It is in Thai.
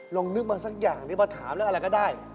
ลองนึกมาสักอย่างนึกมาถามแล้วอะไรก็ได้